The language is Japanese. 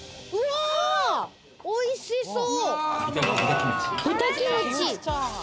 うわおいしそう！